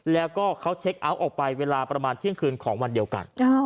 แล้วก็เขาเช็คเอาท์ออกไปเวลาประมาณเที่ยงคืนของวันเดียวกัน